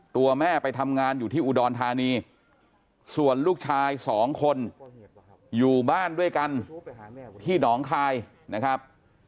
ตัวแม่ไปทำงานอยู่ที่อุดรธานีส่วนลูกชายสองคนอยู่บ้านด้วยกันที่หนองคายนะครับ